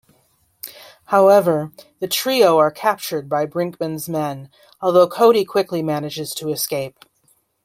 However, the trio are captured by Brinkman's men, although Cody quickly manages to escape.